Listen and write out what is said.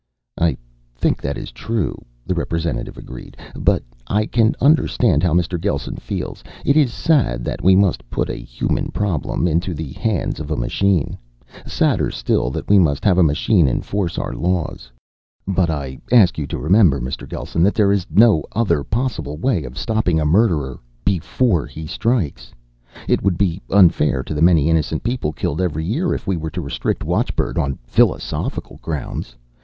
"I think that is true," the representative agreed. "But I can understand how Mr. Gelsen feels. It is sad that we must put a human problem into the hands of a machine, sadder still that we must have a machine enforce our laws. But I ask you to remember, Mr. Gelsen, that there is no other possible way of stopping a murderer before he strikes. It would be unfair to the many innocent people killed every year if we were to restrict watchbird on philosophical grounds.